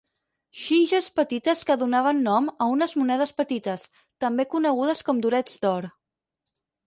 Xinxes petites que donaven nom a unes monedes petites, també conegudes com “durets d'or”.